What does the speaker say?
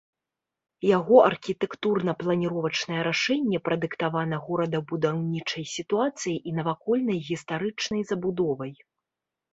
Яго архітэктурна-планіровачнае рашэнне прадыктавана горадабудаўнічай сітуацыяй і навакольнай гістарычнай забудовай.